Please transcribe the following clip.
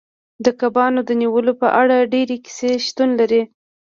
د کبانو د نیولو په اړه ډیرې کیسې شتون لري